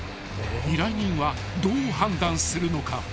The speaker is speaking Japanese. ［依頼人はどう判断するのか］